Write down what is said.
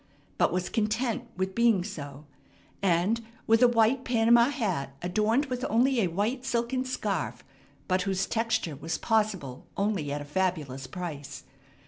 but was content with being so; and with a white Panama hat adorned with only a white silken scarf, but whose texture was possible only at a fabulous price.